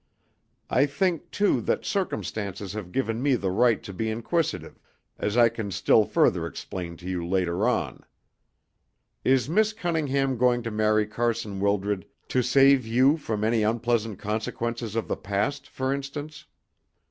I think, too, that circumstances have given me the right to be inquisitive, as I can still further explain to you later on. Is Miss Cunningham going to marry Carson Wildred to save you from any unpleasant consequences of the past, for instance?"